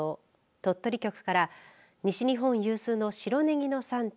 鳥取局から西日本有数の白ねぎの産地